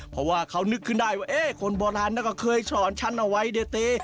เพราะว่าเขานึกขึ้นได้ว่าเอ๊ะคนโบราณก็เคยสอนฉันเอาไว้เด้